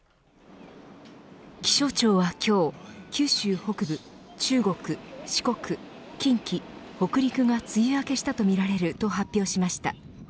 気象庁は今日九州北部、中国四国、近畿、北陸が梅雨明けしたとみられると発表しました。